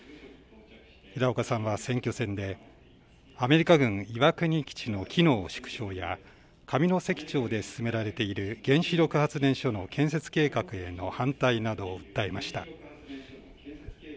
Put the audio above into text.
平岡さんは選挙戦でアメリカ軍岩国基地の機能縮小や上関町で進められている原子力発電所の建設計画への反対などを訴えました。